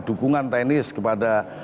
dukungan teknis kepada